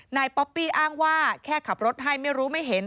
ป๊อปปี้อ้างว่าแค่ขับรถให้ไม่รู้ไม่เห็น